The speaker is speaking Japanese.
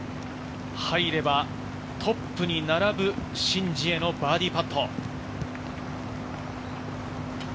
入ればトップに並ぶ、シン・ジエのバーディーパット。